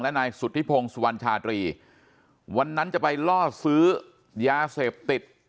นายสุธิพงศ์สุวรรณชาตรีวันนั้นจะไปล่อซื้อยาเสพติด